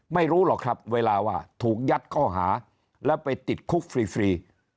ไม่รู้หรอกครับเวลาว่าถูกยัดข้อหาแล้วไปติดคุกฟรี